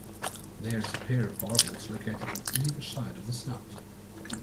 There is a pair of barbels located on either side of the snout.